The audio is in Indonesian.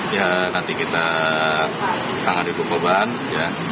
ya nanti kita tangan di korban ya